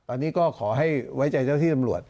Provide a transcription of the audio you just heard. อันนี้ก็ขอให้ไว้ใจเจ้าที่ตำรวจ